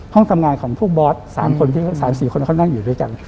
ห้องทำงานของพวกบอส๓๔คนเขานั่งอยู่ด้วยกัน